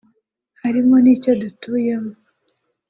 harimo n’icyo dutuyemo